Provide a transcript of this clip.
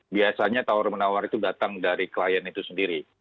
biasanya tawar menawar itu datang dari klien itu sendiri